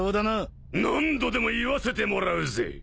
何度でも言わせてもらうぜ。